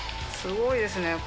すごいですね。